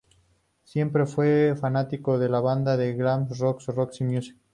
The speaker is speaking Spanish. Siempre fue fanático de la banda de glam rock Roxy Music.